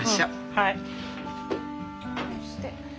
はい。